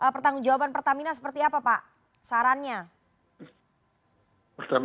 pertanggung jawaban pertamina seperti apa pak sarannya